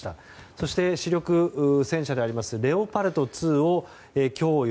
そして、主力戦車であるレオパルト２を供与。